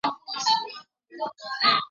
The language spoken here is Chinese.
首席执行官为符展成。